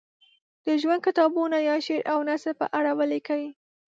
د ژوند کتابونه یا شعر او نثر په اړه ولیکي.